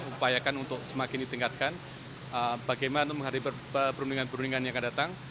upayakan untuk semakin ditingkatkan bagaimana untuk menghadapi perundingan perundingan yang akan datang